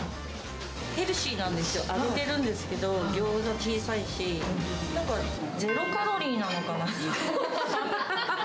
ヘルシーなんですよ、揚げてるんですけど、ギョーザは小さいし、なんか、ゼロカロリーなのかな。